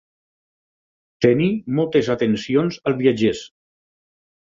Tenir moltes atencions als viatgers.